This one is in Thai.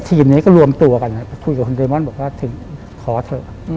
ทีมนี้ก็รวมตัวกันไปคุยกับคุณเดมอนบอกว่าถึงขอเถอะ